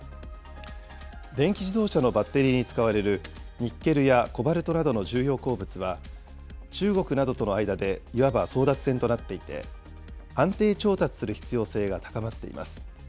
電気自動車のバッテリーに使われる、ニッケルやコバルトなどの重要鉱物は、中国などとの間で、いわば争奪戦となっていて、安定調達する必要性が高まっています。